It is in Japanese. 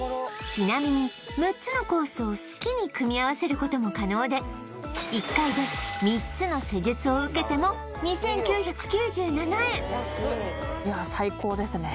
ちなみに６つのコースを好きに組み合わせることも可能で１回で３つの施術を受けても２９９７円いや最高ですね